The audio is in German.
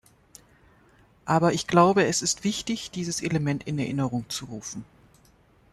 Aber ich glaube es ist wichtig, dieses Element in Erinnerung zu rufen.